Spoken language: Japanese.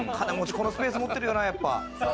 このスペース持ってるような、やっぱ。